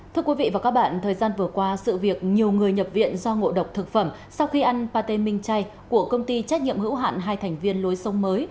thưa quý vị và các bạn thời gian vừa qua sự việc nhiều người nhập viện do ngộ độc thực phẩm sau khi ăn pate minh chay của công ty trách nhiệm hữu hạn hai thành viên lối sông mới